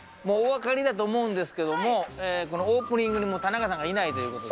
もうお分かりだと思うんですけど、このオープニングにもう田中さんがいないという。